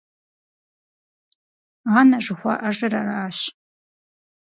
Анэ жыхуаӀэжыр аращ!